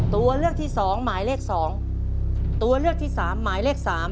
ตัวเลือกที่สองหมายเลขสองตัวเลือกที่สามหมายเลขสาม